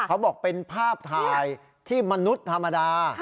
เขาบอกเป็นภาพถ่ายที่มนุษย์ธรรมดา